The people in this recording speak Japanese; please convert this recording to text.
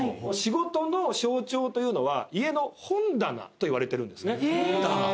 仕事の象徴というのは家の本棚といわれてるんですね。